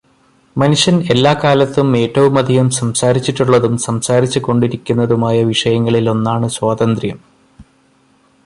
മനുഷ്യൻ എല്ലാ കാലത്തും ഏറ്റവുമധികം സംസാരിച്ചിട്ടുള്ളതും സംസാരിച്ചു കൊണ്ടിരിക്കുന്നതുമായ വിഷയങ്ങളിൽ ഒന്നാണ് സ്വാതന്ത്ര്യം.